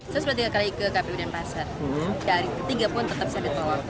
saya sudah tiga kali ke kpu denpasar dari ketiga pun tetap saya ditolong